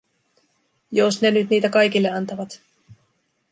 Jos ne nyt niitä kaikille antavat.